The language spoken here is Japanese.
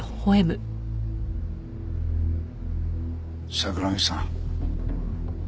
櫻木さん。